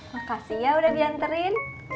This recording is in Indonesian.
makasih ya udah dianterin